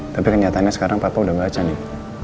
tapi kenyataannya sekarang papa udah baca nih